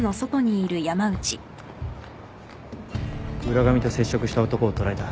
浦上と接触した男を捉えた。